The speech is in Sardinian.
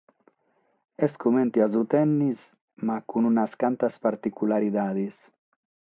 Est comente su tennis ma cun unas cantas particularidades.